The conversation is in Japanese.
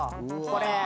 これ。